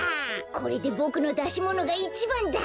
これでボクのだしものがいちばんだ！